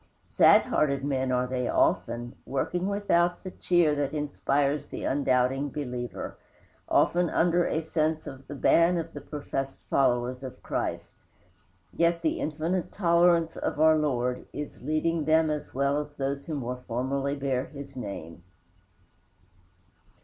Sad hearted men are they often, working without the cheer that inspires the undoubting believer, often under a sense of the ban of the professed followers of Christ; yet the infinite tolerance of our Lord is leading them as well as those who more formally bear his name.